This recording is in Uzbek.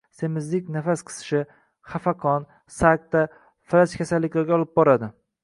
Semizlik nafas qisishi, xafaqon, sakta, falaj kasalliklariga olib boradi.